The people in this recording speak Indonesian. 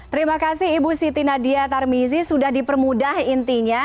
terima kasih ibu siti nadia tarmizi sudah dipermudah intinya